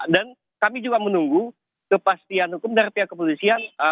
dan kami juga menunggu kepastian hukum dari pihak kepolisian